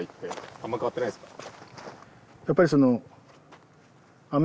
あんま変わってないですか？